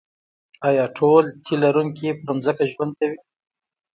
ایا ټول تی لرونکي په ځمکه ژوند کوي